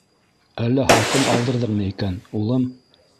— Әллә һалҡын алдырҙыңмы икән, улым?